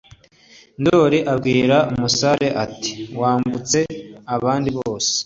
ndoli abwira umusare ati: “wambutse abandi bose